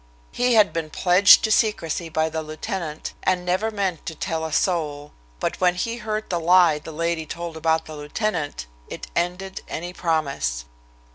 He had been pledged to secrecy by the lieutenant, and never meant to tell a soul, but when he heard the lie the lady told about the lieutenant, it ended any promise.